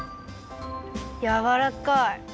やわらかい！